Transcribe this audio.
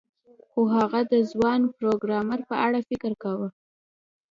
خو هغه د ځوان پروګرامر په اړه فکر کاوه